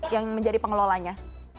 yang menjadi pengelolanya